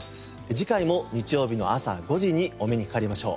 次回も日曜日の朝５時にお目にかかりましょう。